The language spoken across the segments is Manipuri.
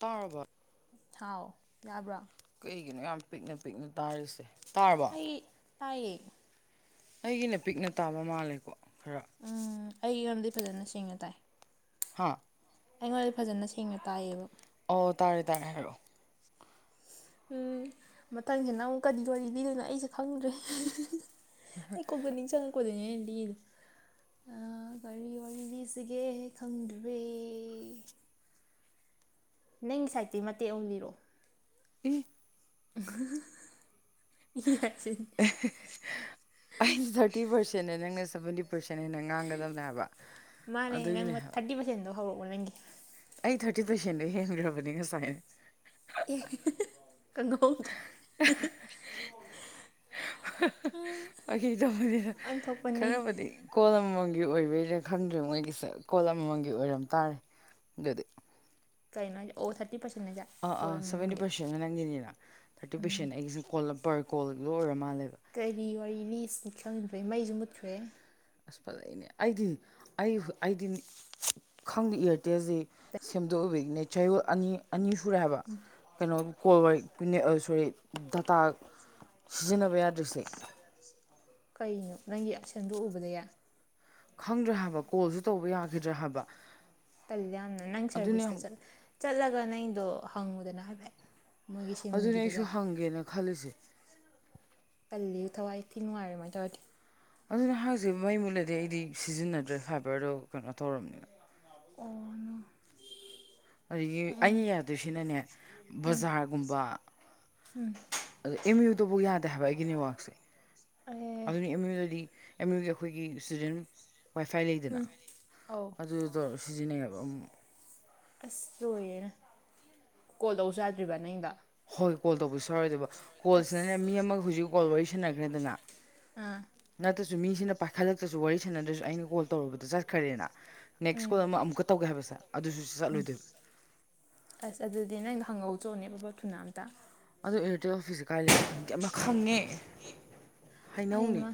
ꯇꯥꯔꯕ ꯊꯥꯎ ꯌꯥꯕ꯭ꯌꯥ ꯀꯩꯒꯤꯅꯣ ꯌꯥꯝ ꯄꯤꯛꯅ ꯄꯤꯛꯅ ꯇꯥꯔꯤꯁꯦ ꯇꯥꯔꯕ ꯑꯩ ꯇꯥꯏꯌꯦ ꯑꯩꯒꯤꯅ ꯄꯤꯛꯅ ꯇꯥꯕ ꯃꯥꯜꯂꯦꯀꯣ ꯈꯔ ꯎꯝ ꯑꯩꯉꯣꯟꯗꯗꯤ ꯐꯖꯅ ꯁꯦꯡꯅ ꯇꯥꯏ ꯍꯥꯥ ꯑꯩꯉꯣꯟꯗ ꯐꯖꯅ ꯁꯦꯡꯅ ꯇꯥꯏꯌꯦꯕ ꯑꯣ ꯇꯥꯔꯦ ꯇꯥꯔꯦ ꯍꯥꯏꯔꯛꯑꯣ ꯎꯝ ꯃꯊꯪꯁꯦ ꯅ ꯑꯃꯨꯛ ꯀꯔꯤ ꯂꯤꯗꯣꯏꯅꯣ ꯑꯩꯁꯦ ꯈꯪꯗ꯭ꯔꯦ ꯑꯩ ꯀꯣꯛꯇ ꯅꯤꯡꯁꯤꯡꯉꯛꯄꯗꯨꯅꯦ ꯑꯩꯅ ꯂꯤꯔꯤꯁꯦ ꯑꯥ ꯀꯔꯤ ꯋꯥꯔꯤ ꯂꯤꯁꯤꯒꯦ ꯈꯪꯗ꯭ꯔꯦ ꯅꯪꯒꯤ ꯁꯥꯏꯠꯇꯤ ꯃꯇꯦꯛ ꯑꯃ ꯂꯤꯔꯛꯑꯣ ꯎꯝ ꯑꯍꯥꯍꯥꯍꯥ ꯑꯩ ꯊꯥꯔꯇꯤ ꯄꯔꯁꯦꯟꯅꯦ ꯅꯪꯅ ꯁꯥꯕꯦꯟꯇꯤ ꯃꯥꯅꯦ ꯅꯪ ꯑꯗꯨꯒꯤꯅꯦ ꯍꯥꯏꯕ ꯊꯥꯔꯇꯤ ꯄꯥꯔꯁꯦꯟꯗꯣ ꯍꯧꯔꯛꯑꯣ ꯅꯪꯒꯤ ꯑꯩ ꯊꯥꯔꯇꯤ ꯄꯥꯔꯁꯦꯟꯗꯤ ꯍꯦꯟꯈ꯭ꯔꯕꯅꯤ ꯉꯁꯥꯏ ꯑꯦ ꯈꯪꯍꯧꯗ꯭ꯔꯦ ꯐꯥꯒꯤ ꯇꯧꯕꯅꯤꯗ ꯑꯣꯟꯊꯣꯛꯄꯅꯤ ꯈꯔꯕꯨꯗꯤ ꯀꯣꯜ ꯑꯝꯃꯝꯒ ꯒꯤ ꯑꯣꯏꯕꯒꯤꯔ ꯈꯪꯗ꯭ꯔꯦ ꯃꯣꯏꯒꯤꯁꯦ ꯀꯣꯜ ꯑꯃꯃꯝꯒꯤ ꯑꯣꯏꯔꯝ ꯇꯥꯔꯦ ꯑꯗꯨꯗꯤ ꯀꯩꯅꯣ ꯍꯥꯏ ꯑꯣ ꯊꯥꯔꯇꯤ ꯄ꯭ꯔꯁꯦꯟ ꯑꯥ ꯑꯥ ꯁꯚꯦꯟꯇꯤ ꯄꯥꯔꯁꯦꯟ ꯅꯪꯒꯤꯅꯤꯅ ꯊꯥꯔꯇꯤ ꯎꯝ ꯄꯥꯔꯁꯦꯟ ꯑꯩꯒꯤꯁꯨ ꯀꯣꯜ ꯄꯔ ꯀꯣꯜ ꯂꯣꯏ ꯑꯣꯏꯔ ꯃꯥꯜꯂꯦ ꯀꯔꯤ ꯋꯥꯔꯤ ꯂꯤꯁꯤꯅꯣ ꯈꯪꯟꯗ꯭ꯔꯦ ꯃꯩꯁꯨ ꯃꯨꯠꯈ꯭ꯔꯦ ꯑꯁ ꯐꯖꯩꯅꯦ ꯑꯩꯗꯤ ꯑꯩ ꯑꯩꯗꯤ ꯈꯪꯗꯦ ꯏꯌꯥꯔꯇꯦꯜꯁꯤ ꯁꯦꯝꯗꯣꯛ ꯅꯦꯆꯔ ꯑꯅꯤ ꯑꯅꯤ ꯁꯨꯔꯦ ꯍꯥꯏꯕ ꯀꯣꯜ [unintelligible] ꯇꯥꯛ ꯁꯤꯖꯤꯟꯅꯕ ꯌꯥꯗ꯭꯭ꯔꯤꯁꯦ ꯀꯩꯅꯣ ꯅꯪꯒꯤ ꯑꯁꯦꯝꯗꯣꯛꯎꯕꯗ ꯌꯥ ꯈꯪꯗ꯭ꯔꯦ ꯍꯥꯏꯕ ꯀꯣꯜꯁꯨ ꯇꯧꯕ ꯌꯥꯈꯤꯗ꯭ꯔꯦ ꯍꯥꯏꯕ ꯇꯜꯂꯦ ꯌꯥꯝꯅ ꯅꯪ ꯑꯗꯨꯅꯦ ꯁꯔꯚꯤꯁꯇ ꯆꯠ ꯆꯠꯂꯒ ꯅꯪꯒꯤꯗꯣ ꯍꯪꯉꯨꯗꯅ ꯍꯥꯏꯐꯦꯠ ꯃꯣꯏꯒꯤ ꯑꯗꯨꯅꯦ ꯑꯩꯁꯨ ꯁꯤꯝꯒꯤꯗꯨꯗ ꯍꯪꯒꯦꯅ ꯈꯜꯂꯤꯁꯦ ꯇꯜꯂꯤ ꯊꯋꯥꯏ ꯊꯤ ꯅꯨꯡꯉꯥꯏꯔꯣꯏ ꯑꯃꯥꯏ ꯇꯧꯔꯗꯤ ꯑꯗꯨꯅꯦ ꯍꯥꯏꯁꯦ ꯃꯩ ꯃꯨꯠꯂꯗꯤ ꯑꯩꯗꯤ ꯁꯤꯖꯤꯟꯅꯗ꯭ꯔꯦ ꯐꯥꯏꯕꯔꯗꯣ ꯀꯩꯅꯣ ꯇꯧꯔꯝꯅꯤꯅ ꯑꯣ ꯅꯣ ꯑꯗꯒꯤ ꯑꯩꯅ ꯌꯥꯗꯣꯏꯁꯤꯅꯅꯦ ꯕꯖꯥꯔꯒꯨꯝꯕ ꯑꯗꯨ ꯑꯦꯝ ꯌꯨꯗꯚꯥꯎ ꯌꯥꯗꯦ ꯍꯥꯏꯕ ꯑꯩꯒꯤ ꯅꯦꯠꯋꯥꯛꯁꯦ ꯑꯦ ꯑꯗꯨꯅꯤ ꯑꯦꯝ ꯌꯨꯗꯗꯤ ꯑꯦꯝ ꯌꯨꯒꯤ ꯑꯩꯈꯣꯏꯒꯤ ꯏꯁꯇꯨꯗꯦꯟ ꯋꯥꯏ ꯐꯥꯏ ꯂꯩꯗꯅ ꯎꯝ ꯑꯧ ꯑꯗꯨꯗꯣ ꯇꯧꯔꯝ ꯁꯤꯖꯤꯟꯅꯩꯌꯦꯕ ꯑꯃꯨ ꯑꯁ ꯂꯣꯏꯔꯦꯅ ꯀꯣꯜ ꯇꯧꯕꯁꯨ ꯌꯥꯗ꯭ꯔꯤꯕ ꯅꯪꯒꯤꯗꯣ ꯍꯣꯏ ꯀꯣꯜ ꯇꯧꯕꯁꯨ ꯌꯥꯔꯣꯏꯗꯕ ꯀꯣꯜꯁꯤꯅꯅꯦ ꯑꯁ ꯃꯤ ꯑꯃꯒ ꯍꯧꯖꯤꯛ ꯀꯣꯜ ꯋꯥꯔꯤ ꯁꯅꯈ꯭ꯔꯦꯗꯅ ꯑꯥ ꯅꯠ ꯐꯠꯇ꯭ꯔꯁꯨ ꯃꯤꯁꯤꯅ ꯄꯥꯏꯈꯠꯂꯛꯇ꯭ꯔꯁꯨ ꯋꯥꯔꯤ ꯁꯥꯟꯅꯗ꯭ꯔꯁꯨ ꯑꯩꯅ ꯀꯣꯜ ꯇꯧꯔꯨꯕꯗ ꯆꯠꯈ꯭ꯔꯦꯅ ꯅꯦꯛꯁ ꯎꯝ ꯀꯣꯜ ꯑꯃ ꯑꯃꯨꯛꯀ ꯇꯧꯒꯦ ꯍꯥꯏꯕꯁꯦ ꯑꯗꯨꯁꯨ ꯆꯠꯂꯣꯏꯗꯣꯏꯕ ꯑꯁ ꯑꯗꯨꯗꯤ ꯅꯪꯗꯣ ꯍꯪꯍꯧ ꯆꯣꯅꯦ ꯕꯕꯠ ꯊꯨꯅꯥ ꯑꯝꯇ ꯑꯗꯨ ꯑꯦꯌꯥꯔꯇꯦꯜ ꯑꯣꯐꯤꯁꯁꯦ ꯀꯥꯏꯗ ꯀꯃ ꯈꯪꯉꯦ ꯍꯩꯅꯧꯅꯦ ꯑꯩꯃ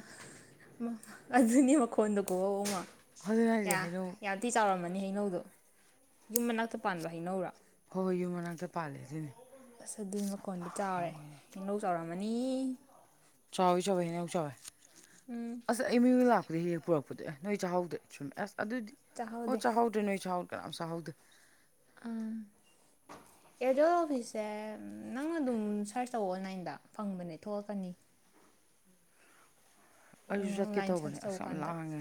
ꯃ ꯑꯗꯨꯅꯦ ꯃꯈꯣꯟꯗꯣ ꯈꯨꯍꯧ ꯑꯃ ꯑꯗꯨꯅꯦ ꯍꯥꯏꯁꯦ ꯌꯥ ꯍꯩꯅꯧ ꯌꯥꯝꯗꯤ ꯆꯥꯎꯔꯝꯃꯅꯤ ꯍꯩꯅꯧꯗꯣ ꯌꯨꯝ ꯃꯅꯥꯛꯇ ꯄꯥꯟꯕ ꯍꯩꯅꯧꯔꯥ ꯍꯣꯍꯣꯏ ꯌꯨꯝ ꯃꯅꯥꯛꯇ ꯄꯥꯜꯂꯦ ꯑꯗꯨꯏꯅꯦ ꯑꯁ ꯑꯗꯨꯏ ꯃꯈꯣꯟꯗꯣ ꯆꯥꯎꯔꯦ ꯍꯩꯅꯧ ꯆꯥꯎꯔꯝꯃꯅꯤ ꯆꯥꯎꯋꯦ ꯆꯥꯎꯋꯦ ꯍꯩꯅꯧ ꯆꯥꯎꯋꯦ ꯎꯝ ꯑꯁ ꯌꯦꯝꯌꯨꯗ ꯂꯥꯛꯄꯗ ꯍꯦꯍꯦꯡ ꯄꯨꯔꯛꯄ ꯄꯗꯣ ꯅꯣꯏ ꯆꯥꯍꯧꯗꯦ ꯆꯨꯝꯃꯦ ꯑꯁ ꯑꯗꯨꯗꯤ ꯑꯣ ꯆꯥꯍꯧꯗꯦ ꯆꯥꯍꯧꯗ꯭ꯔꯦ ꯅꯣꯏ ꯆꯥꯍꯧꯗ꯭ꯔꯦ ꯀꯅꯥꯝ ꯆꯥꯍꯧꯗꯦ ꯍꯣꯏꯁꯦ ꯅꯪꯅ ꯑꯗꯨꯝ ꯁꯔꯁ ꯇꯧ ꯑꯣꯟꯂꯥꯏꯟꯗ ꯐꯪꯕꯅꯦ ꯊꯣꯛꯂꯛꯀꯅꯤ ꯑꯩꯁꯨ ꯆꯠꯀꯦ ꯑꯣꯟꯂꯥꯏꯟ ꯇꯧꯕꯅꯦ ꯁꯔꯁ ꯑꯁ ꯌꯥꯝ ꯇꯧꯀꯥꯟꯗ ꯂꯥꯡꯉꯦ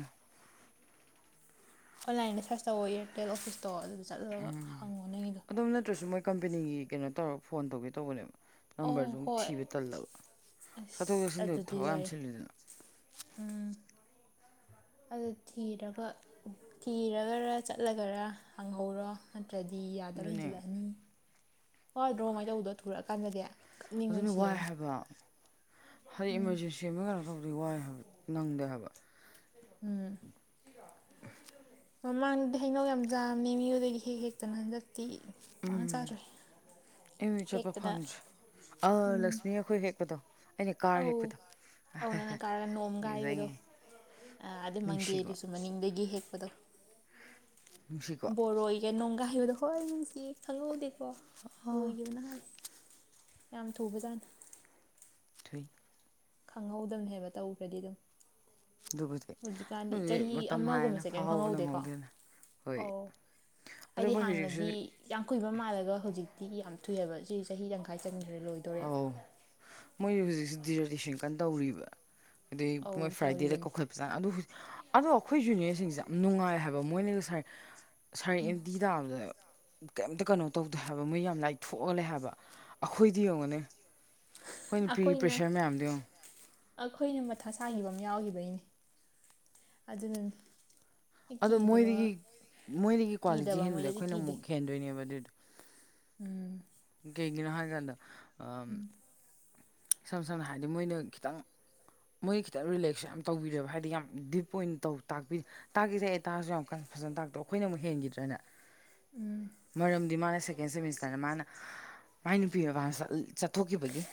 ꯑꯣꯟꯂꯥꯏꯟꯗ ꯁꯔꯁ ꯇꯧꯑꯣꯌꯦ ꯑꯦꯔꯇꯦꯜ ꯑꯣꯐꯤꯁꯇꯣ ꯑꯗꯨꯗ ꯆꯠꯂꯨꯔꯒ ꯎꯝ ꯍꯪꯉꯣ ꯅꯪꯒꯤꯗꯣ ꯑꯗꯣꯝ ꯅꯠꯇ꯭ꯔꯁꯨ ꯃꯣꯏ ꯀꯝꯄꯦꯅꯤꯒꯤ ꯀꯩꯅꯣ ꯇꯧꯔ ꯐꯣꯟ ꯇꯧꯒꯦ ꯇꯧꯕꯅꯦꯕ ꯑꯣ ꯅꯝꯕꯔꯖꯨ ꯑꯃꯨ ꯍꯣꯏ ꯊꯤꯕꯖꯦ ꯇꯜꯂꯕ ꯑꯁ ꯆꯠꯊꯣꯛ ꯆꯠꯁꯤꯟꯗ ꯑꯗꯨꯗꯤ ꯊꯕꯛ ꯌꯥꯝ ꯂꯣꯏꯔꯦ ꯆꯤꯜꯂꯤꯗꯅ ꯑꯗꯨ ꯊꯤꯔꯒ ꯊꯤꯔꯒꯔ ꯆꯠꯂꯒꯔ ꯍꯪꯍꯧꯔꯣ ꯑ ꯅꯠꯇ꯭ꯔꯗꯤ ꯌꯥꯗꯕ ꯑꯗꯨꯅꯦ ꯍꯦꯟꯖꯜꯂꯛꯑꯅꯤ ꯋꯥꯗ꯭ꯔꯣ ꯑꯃꯥꯏ ꯇꯧꯕꯗꯣ ꯊꯨꯔꯛꯑꯀꯥꯟꯗꯗꯤ ꯀꯞꯅꯤꯡꯕꯅ ꯑꯗꯨꯅꯤ ꯋꯥꯏ ꯁꯤꯔꯅꯤ ꯍꯥꯏꯕ꯭ꯔꯣ ꯍꯥꯏꯗꯤ ꯎꯝ ꯏꯃꯥꯔꯖꯦꯟꯁꯤ ꯑꯃ ꯀꯩꯅꯣ ꯇꯧꯕꯗꯤ ꯋꯥꯏ ꯍꯥꯏꯕ ꯅꯪꯗꯦ ꯍꯥꯏꯕ ꯎꯝ [inaudible] ꯃꯃꯥꯡꯗꯤ ꯍꯩꯅꯧ ꯌꯥꯝ ꯆꯥꯕꯅꯤ ꯑꯦꯝ ꯌꯨꯗꯒꯤ ꯍꯦꯛ ꯍꯦꯛꯇꯅ ꯍꯟꯗꯛꯇꯤ ꯄꯥꯛꯅ ꯆꯥꯗ꯭ꯔꯦ ꯑꯦꯝ ꯌꯨ ꯆꯠꯄ ꯍꯦꯛꯇꯅ ꯐꯪꯗ꯭ꯔꯦ ꯑꯥ ꯎꯝ ꯂꯛꯁꯃꯤ ꯑꯩꯈꯣꯏ ꯍꯦꯛꯄꯗꯣ ꯑꯩꯅ ꯀꯥꯔ ꯑꯧ ꯍꯦꯛꯄꯗꯣ ꯅꯤꯡꯖꯪꯉꯦ ꯑ ꯑꯗꯨ ꯅꯨꯡꯁꯤꯀꯣ ꯃꯪꯒꯦꯗꯨꯁꯨ ꯃꯅꯤꯡꯗꯒꯤ ꯍꯦꯛ ꯄꯗꯣ ꯅꯨꯡꯁꯤꯀꯣ ꯕꯣꯔꯣꯏꯒ ꯅꯣꯡꯒꯥꯏꯕꯗꯣ ꯍꯣꯏ ꯅꯨꯡꯁꯤ ꯈꯪꯍꯧꯗꯦ ꯀꯣ ꯂꯣꯏꯒꯤꯕꯅ ꯍꯥꯟꯂꯦ ꯌꯥꯝ ꯊꯨꯕꯖꯥꯠꯅꯤ ꯊꯨꯏ ꯈꯪꯍꯧꯗꯕꯅꯦ ꯍꯩꯕ ꯇꯧꯒ꯭ꯔꯗꯤ ꯑꯗꯨꯝ ꯑꯗꯨꯕꯨꯗꯤ ꯍꯧꯖꯤꯛꯀꯥꯟꯗꯤ ꯑꯗꯨꯕꯨꯗꯤ ꯆꯍꯤ ꯃꯇꯝ ꯍꯥꯏꯅ ꯑꯃꯒꯨꯝꯕꯁꯦ ꯀꯩꯝ ꯐꯥꯍꯧꯕ ꯈꯪꯍꯧꯗꯦꯀꯣ ꯅꯪꯍꯧꯗꯦꯅ ꯍꯣꯏ ꯑꯣ ꯑꯗꯣ ꯍꯥꯏꯗꯤ ꯃꯣꯏ ꯍꯧꯖꯤꯛꯁꯨ ꯍꯥꯟꯅꯗꯤ ꯌꯥꯝ ꯀꯨꯏꯕ ꯃꯥꯜꯂꯒ ꯍꯧꯖꯤꯛ ꯇꯤꯒꯤ ꯌꯥꯝ ꯊꯨꯏꯍꯥꯕ ꯁꯤ ꯆꯍꯤ ꯇꯪꯈꯥꯏ ꯆꯟ ꯑꯧ ꯃꯣꯏ ꯍꯧꯖꯤꯛꯁꯦ ꯗꯤꯖꯥꯔꯇꯦꯁꯟ ꯀꯟ ꯇꯧꯔꯤꯌꯦꯕ ꯑꯗꯨꯏ ꯑꯧ ꯃꯣꯏ ꯐ꯭ꯔꯥꯏꯗꯦꯗ ꯇꯧꯔꯤꯕꯅꯤ ꯀꯣꯈꯄ ꯆꯥ ꯑꯗꯨ ꯑꯗꯣ ꯑꯩꯈꯣꯏ ꯖꯨꯅꯤꯌꯔꯁꯤꯡꯁꯦ ꯌꯥꯝ ꯅꯨꯡꯉꯥꯏ ꯍꯥꯏꯕ ꯃꯣꯏꯅꯒ ꯉꯁꯥꯏ ꯁꯥꯔ ꯑꯦꯝ ꯗꯤ ꯇꯥꯕꯗ ꯀꯩꯝꯇ ꯀꯩꯅꯣ ꯇꯧꯗꯦ ꯍꯥꯏꯕ ꯃꯣꯏ ꯌꯥꯝ ꯂꯥꯏꯊꯣꯛꯑ ꯂꯩ ꯍꯥꯏꯕ ꯑꯩꯈꯣꯏꯗꯤ ꯌꯦꯡꯉꯨꯅꯦ ꯑꯩꯈꯣꯏꯅ ꯄꯤꯔꯤ ꯑꯩꯈꯣꯏꯅ ꯄ꯭ꯔꯦꯁꯔ ꯃꯌꯥꯝꯗꯣ ꯌꯦꯡꯎ ꯑꯩꯈꯣꯏꯅ ꯃꯊ ꯁꯥꯥꯈꯤꯕ ꯑꯃ ꯌꯥꯎꯈꯤꯕꯩꯅꯦ ꯑꯗꯨꯅꯅꯤ ꯑꯗꯣ ꯀꯤꯗꯕ ꯃꯣꯏꯗꯒꯤ ꯃꯣꯏꯗꯒꯤ ꯀ꯭ꯋꯥꯂꯤꯇꯤ ꯀꯤꯗꯕ ꯍꯦꯟꯕꯗꯤ ꯃꯣꯏꯗꯗꯤ ꯑꯩꯈꯣꯏꯅ ꯑꯃꯨꯛ ꯍꯦꯟꯗꯣꯏꯅꯦꯕ ꯑꯗꯨꯢꯗꯣ ꯎꯝ ꯀꯩꯒꯤꯅꯣ ꯍꯥꯏ ꯀꯥꯟꯗ ꯑꯥꯝ ꯏꯁꯝ ꯁꯝꯅ ꯍꯥꯏꯔꯗꯤ ꯃꯣꯏꯅ ꯈꯤꯇꯪ ꯃꯣꯏꯒꯤ ꯈꯤꯇꯪ ꯔꯤꯂꯦꯛꯁꯁꯨ ꯌꯥꯝ ꯇꯧꯕꯤꯔꯦꯕ ꯍꯥꯏꯗꯤ ꯌꯥꯝ ꯗꯤꯞ ꯄꯣꯏꯟꯗꯣ ꯇꯥꯛꯄꯤ ꯇꯥꯛꯇꯤ ꯇꯥꯛꯑꯦ ꯇꯥꯛꯑꯁꯨ ꯌꯥꯝ ꯀꯟ ꯐꯖꯅ ꯇꯥꯛꯇꯣ ꯑꯈꯣꯢꯅ ꯑꯃꯨꯛ ꯍꯦꯟꯈꯤꯗ꯭ꯔꯥꯅꯦ ꯃꯔꯝꯗꯤ ꯃꯥꯅ ꯁꯦꯀꯦꯟ ꯁꯦꯃꯤꯁꯇꯔꯗ ꯃꯥꯅ ꯃꯥꯏ ꯅꯨꯄꯤ ꯃꯃꯥꯝꯖꯤꯗ ꯆꯠꯊꯣꯛꯈꯤꯕꯒꯤ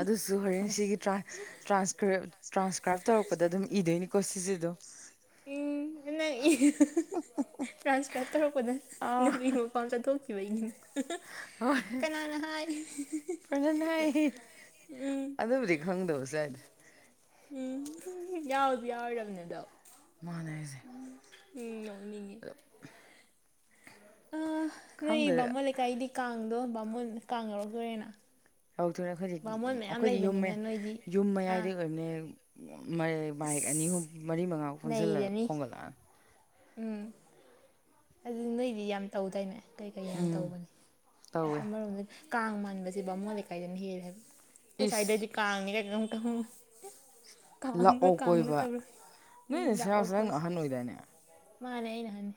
ꯑꯗꯨꯁꯨ ꯍꯣꯔꯦꯟ ꯁꯤꯒꯤ ꯇꯥꯟ ꯇ꯭ꯔꯥꯟꯁꯀꯤꯞ ꯇ꯭ꯔꯥꯟꯁꯀ꯭ꯔꯥꯏꯞ ꯇꯧꯔꯛꯄꯗ ꯑꯗꯨꯝ ꯏꯗꯣꯏꯅꯤꯀꯣ ꯁꯤꯁꯤ ꯑꯗꯨꯝ ꯎꯡ ꯅꯪ ꯏ ꯇ꯭ꯔꯥꯟꯁꯀ꯭ꯔꯥꯞ ꯇꯧꯔꯛꯄꯗ ꯑꯥ ꯅꯨꯄꯤ ꯃꯄꯥꯝ ꯆꯠ ꯊꯣꯛꯈꯤꯕꯩ ꯅꯤꯅ ꯍꯣꯏ ꯀꯅꯥꯅ ꯍꯥꯏ ꯐꯖꯅ ꯍꯥꯏ ꯎꯝ ꯑꯗꯨꯕꯨꯗꯤ ꯈꯪꯗꯕꯖꯥꯠꯅꯤ ꯎꯝ ꯍꯨ ꯍꯨ ꯌꯥꯎꯁꯨ ꯌꯥꯎꯔꯣꯢꯗꯕꯅꯦ ꯑꯗꯣ ꯃꯥꯥꯟꯅꯦ ꯍꯥꯏꯁꯦ ꯎꯝ ꯅꯣꯛꯅꯤꯡꯉꯤ ꯑ ꯑ ꯅꯣꯏ ꯕꯥꯃꯣꯟ ꯂꯩꯀꯥꯏꯗꯤ ꯀꯥꯡꯗꯣ ꯕꯥꯃꯣꯟ ꯀꯥꯡ ꯌꯧꯔꯛꯇꯣꯔꯦꯅ ꯌꯧꯔꯛꯇꯣꯔꯦ ꯑꯩꯈꯣꯏꯗꯤ ꯕꯥꯃꯣꯟ ꯃꯌꯥꯝ ꯑꯩꯈꯣꯏꯗꯤ ꯌꯨꯝꯃꯦ ꯂꯩꯕꯅꯤꯅ ꯅꯣꯏꯗꯤ ꯌꯨꯝ ꯑꯥ ꯃꯌꯥꯏꯗꯩ ꯑꯣꯏꯕꯅꯦ ꯃꯥꯏꯛ ꯑꯅꯤ ꯑꯍꯨꯝ ꯃꯔꯤ ꯃꯉꯥ ꯄꯨꯜꯁꯤꯜꯂ ꯅꯩꯔꯅꯤ ꯈꯣꯡꯒꯠꯂꯛꯑ ꯎꯝ ꯑꯗꯨ ꯅꯣꯏꯗꯤ ꯌꯥꯝ ꯇꯧꯗꯥꯏꯅꯦ ꯀꯩꯀꯩ ꯌꯥꯝ ꯎꯝ ꯇꯧꯕꯅꯤ ꯑꯁ ꯇꯧꯋꯦ ꯑꯃꯔꯣꯝꯗ ꯀꯥꯡ ꯃꯥꯟꯕꯕꯁꯤ ꯕꯥꯃꯣꯟ ꯂꯩꯀꯥꯏꯗꯅ ꯍꯦꯜꯂꯦ ꯍꯥꯏꯕ ꯑꯩꯈꯣꯏ ꯁ꯭ꯋꯥꯏꯗꯗꯤ ꯏꯁ ꯀꯥꯡꯅꯤ ꯀꯥꯢꯅ ꯀꯩ ꯈꯪꯉꯣꯢ ꯀꯥꯡꯃꯟꯒ꯭ꯔꯦ ꯂꯥꯛꯑꯣ ꯀꯣꯏꯕ ꯀꯥꯡꯅꯇꯕ꯭ꯔ ꯅꯣꯏ ꯅꯆꯤꯟ ꯂꯥꯛꯑꯣ ꯅꯅꯥꯎꯁꯦ ꯑꯈꯣꯢ ꯅꯪꯅ ꯁꯤꯗ ꯑꯍꯟ ꯑꯣꯏꯗꯥꯏꯅꯦ ꯃꯥꯅꯦ ꯑꯩꯅ ꯑꯍꯟꯅꯤ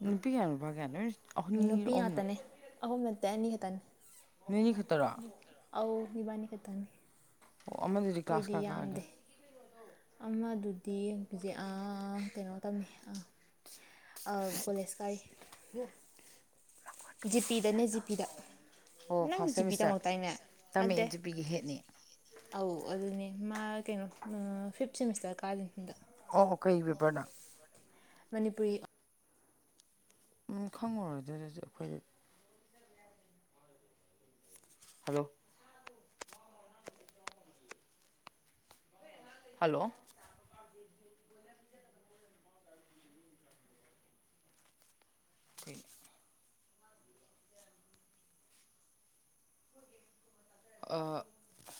ꯅꯨꯄꯤ ꯀꯌꯥ ꯅꯨꯄꯥ ꯀꯌꯥꯅꯣ ꯅꯣꯔꯤꯁ ꯅꯨꯄꯤ ꯉꯥꯛꯇꯅꯦ ꯑꯍꯨꯝ ꯅꯠꯇꯦ ꯑꯅꯤ ꯈꯛꯇꯅꯤ ꯅꯣꯏꯅꯤ ꯈꯛꯇꯔꯣ ꯑꯧ ꯏꯕꯥꯅꯤ ꯈꯛꯇꯥꯅꯤ ꯑꯣ ꯑꯃꯗꯨꯗꯤ ꯀ꯭ꯂꯥꯁ ꯀꯌꯥ ꯀꯥꯔꯒꯦ ꯑꯃꯗꯨꯗꯤ ꯍꯧꯖꯤꯛ ꯑꯥ ꯀꯩꯅꯣ ꯇꯝꯃꯦ ꯑ ꯀꯣꯂꯦꯁ ꯀꯥꯔꯤ ꯖꯤꯄꯤꯗꯅꯦ ꯖꯤꯄꯤꯗ ꯑꯣ ꯅꯪ ꯐꯥꯔꯁ ꯖꯤꯄꯤꯗ ꯁꯦꯃꯤꯁꯇꯔ ꯇꯃꯛꯇꯥꯏꯅꯦ ꯅꯠꯇꯦ ꯇꯝꯃꯛꯑꯦ ꯖꯤꯄꯤꯒꯤ ꯍꯦꯠꯅꯤ ꯑꯧ ꯑꯗꯨꯅꯦ ꯃꯥ ꯀꯩꯅꯣ ꯑ ꯐꯤꯞ ꯁꯦꯃꯤꯁꯇꯔ ꯀꯥꯗꯣꯢꯅꯦ ꯍꯟꯗꯛ ꯑꯣ ꯀꯩ ꯄꯦꯕꯔꯗ ꯃꯅꯤꯄꯨꯔꯤ ꯑꯝ ꯈꯪꯉꯔꯣꯢ ꯑꯗꯨꯢꯗꯁꯨ ꯑꯩꯈꯣꯏꯗꯗꯤ ꯍꯜꯂꯣ ꯍꯜꯂꯣ [unintelligible] ꯑ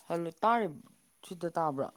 ꯍꯜꯂꯣ ꯇꯥꯔꯤꯕ ꯁꯤꯗ ꯇꯥꯕ꯭ꯔꯥ